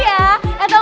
amin makasih ya